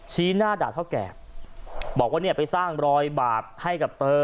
ชี้หน้าด่าเท่าแก่บอกว่าเนี่ยไปสร้างรอยบาปให้กับเธอ